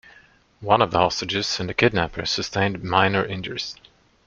One of the hostages and the kidnapper sustained minor injuries.